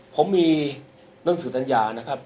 ผมมีหนังสือตัญญานะครับ